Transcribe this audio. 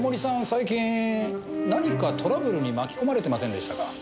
最近何かトラブルに巻き込まれてませんでしたか？